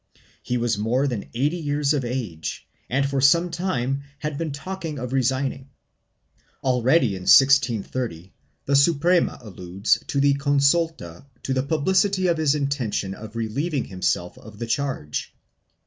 He was more than eighty years of age and for some time had been talking of resigning; alread}r in 1630 the Suprema alludes in a consulta to the publicity of his intention of relieving himself of the charge.